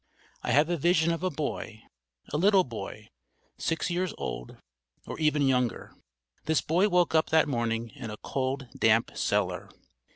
I have a vision of a boy, a little boy, six years old or even younger. This boy woke up that morning in a cold damp cellar.